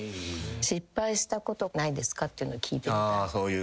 失敗したことないですか？って聞いてみたい。